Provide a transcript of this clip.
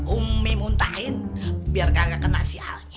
umi muntahin biar kagak kena sialnya